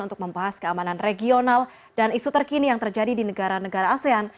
untuk membahas keamanan regional dan isu terkini yang terjadi di negara negara asean